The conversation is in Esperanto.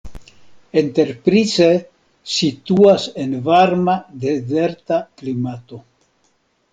Enterprise situas en varma dezerta klimato.